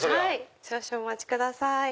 少々お待ちください。